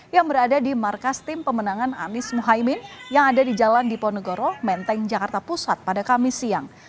yang berada di markas tim pemenangan anies muhaymin yang ada di jalan diponegoro menteng jakarta pusat pada kamis siang